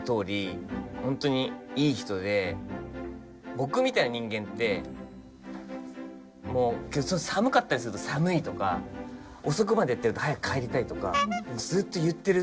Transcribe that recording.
僕みたいな人間って寒かったりすると寒いとか遅くまでやってると早く帰りたいとかずっと言ってる。